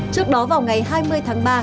trước đó vào ngày hai mươi tháng ba